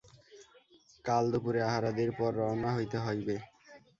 কাল দুপুরে আহারাদির পর রওনা হইতে হইবে।